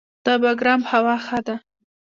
د بګرام هوا ښه ده